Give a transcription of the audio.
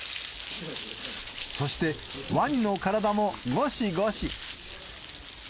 そして、ワニの体もごしごし。